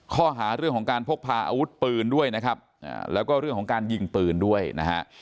ข้อหาเรื่องของการพกพาอาวุธปืนด้วยนะครับแล้วก็เรื่องของการยิงปืนด้วยนะฮะ